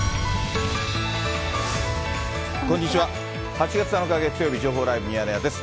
８月７日月曜日、情報ライブミヤネ屋です。